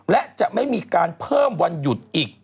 และจะไม่มีการเพิ่มวันหยุดอีก